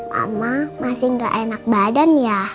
lama masih gak enak badan ya